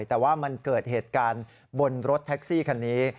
แต่ว่ามันเกิดเหตุการณ์บนรถแท็กซี่คันนี้